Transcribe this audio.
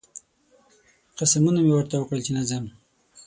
قسمونه مې ورته وکړل چې نه ځم